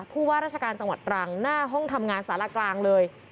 ผู้ว่าราชการจังหวัดตรังหน้าห้องทำงานสารกลางเลย